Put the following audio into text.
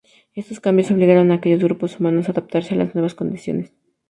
Estos cambios obligaron a aquellos grupos humanos a adaptarse a las nuevas condiciones.